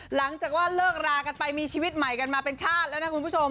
หลังจากว่าเลิกรากันไปมีชีวิตใหม่กันมาเป็นชาติแล้วนะคุณผู้ชม